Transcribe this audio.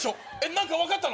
何か分かったの？